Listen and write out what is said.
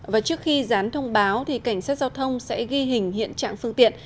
và trước khi gián thông báo thì cảnh sát giao thông sẽ ghi hình hiện trạng phương tiện